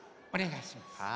おねがいします。